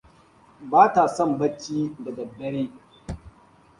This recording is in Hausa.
Bata son bacci daddadare.